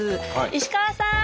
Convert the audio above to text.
石河さん！